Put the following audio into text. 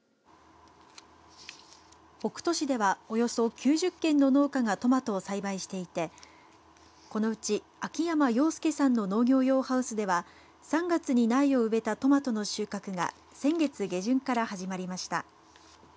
北斗市ではおよそ９０軒の農家がトマトを栽培していてこのうち秋山陽介さんの農業用ハウスでは３月に苗を植えたトマトの収穫が先月下旬から始まりました。